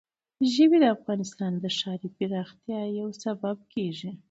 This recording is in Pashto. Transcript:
ژبې د افغانستان د ښاري پراختیا یو سبب کېږي.